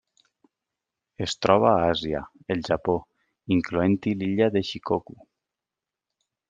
Es troba a Àsia: el Japó, incloent-hi l'illa de Shikoku.